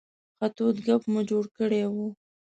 ښه تود ګپ مو جوړ کړی و.